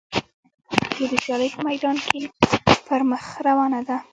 پښتو د سیالۍ په میدان کي پر مخ روانه ده.